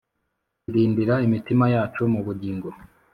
Irindira imitima yacu mu bugingo